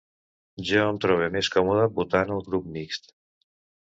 Jo em trobe més còmode votant al grup mixt.